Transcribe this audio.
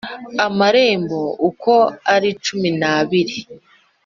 Amarembo uko ari cumi n’abiri,